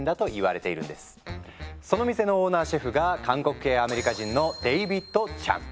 その店のオーナーシェフが韓国系アメリカ人のデイビッド・チャン。